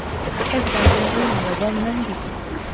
حِفْظًا لَهُ وَضَنًّا بِهِ